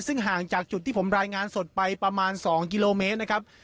ซึ่งห่างจากจุดที่ผมรายงานสดไปประมาณ๒กิโลเมตรนะครับ